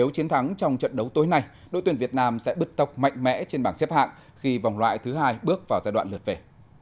chiến thắng trong trận đấu tối nay đội tuyển việt nam sẽ bứt tốc mạnh mẽ trên bảng xếp hạng khi vòng loại thứ hai bước vào giai đoạn lượt về